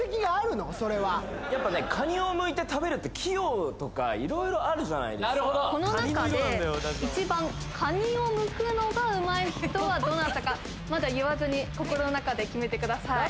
それはカニをむいて食べるって器用とか色々あるじゃないですかなるほどこの中で１番カニをむくのがうまい人はどなたかまだ言わずに心の中で決めてください